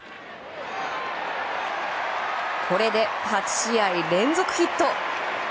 これで８試合連続ヒット。